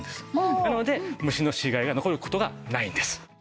なので虫の死骸が残る事がないんです。